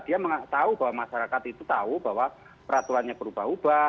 dia tahu bahwa masyarakat itu tahu bahwa peraturannya berubah ubah